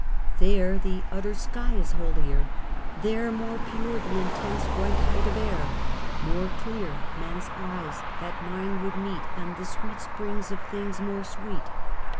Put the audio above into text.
There the utter sky is holier, there More pure the intense white height of air, More clear men's eyes that mine would meet, And the sweet springs of things more sweet.